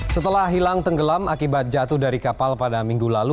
setelah hilang tenggelam akibat jatuh dari kapal pada minggu lalu